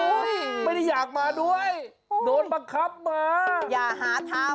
ไม่ได้อยากมาด้วยโดนบังคับมาอย่าหาทาง